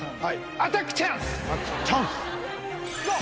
アタックチャンス！